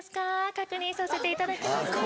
確認させていただきます。